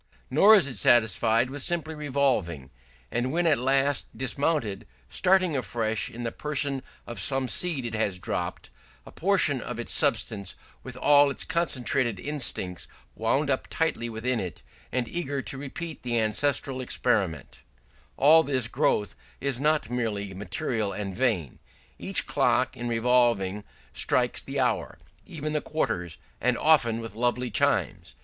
Nor is it satisfied with simply revolving and, when at last dismounted, starting afresh in the person of some seed it has dropped, a portion of its substance with all its concentrated instincts wound up tightly within it, and eager to repeat the ancestral experiment; all this growth is not merely material and vain. Each clock in revolving strikes the hour, even the quarters, and often with lovely chimes.